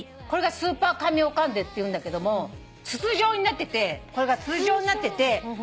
これがスーパーカミオカンデっていうんだけども筒状になっててこれが筒状になってて。